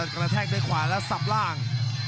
กระแทกด้วยขวาและสับล่าง